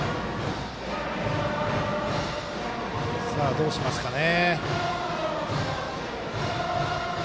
どうしますかね。